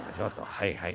はいはい。